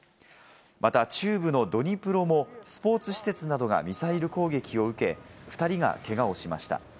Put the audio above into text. また、中部のドニプロもスポーツ施設などがミサイル攻撃を受け、２人がけがをしました。